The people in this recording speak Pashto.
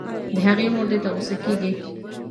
د هغې مور دې ته غو سه کيږي